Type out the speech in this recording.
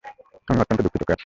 আমি অত্যন্ত দুঃখিত, ক্যাট!